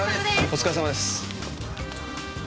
お疲れさまです。